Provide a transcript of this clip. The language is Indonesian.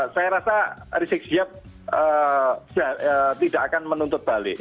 saya rasa risik siap tidak akan menuntut balik